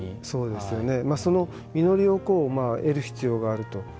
その実りを得る必要があると。